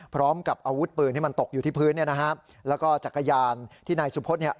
พร้อมกับอาวุธปืนที่มันตกอยู่ที่พื้นเนี่ยนะฮะแล้วก็จักรยานที่นายสุพธเนี่ย